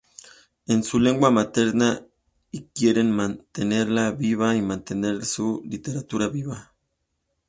Es su lengua materna y quieren mantenerla viva, mantener su literatura viva.